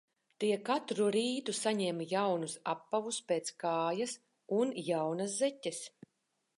Tie katru rītu saņēma jaunus apavus pēc kājas un jaunas zeķes.